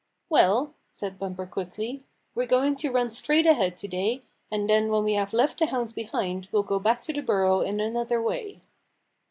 " Well," said Bumper quickly, '' we're going to run straight ahead to day, and then when we have left the hounds behind we'll go back to the burrow in another way."